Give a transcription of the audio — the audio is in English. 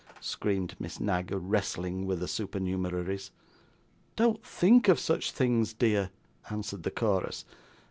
screamed Miss Knag, wrestling with the supernumeraries. 'Don't think of such things, dear,' answered the chorus.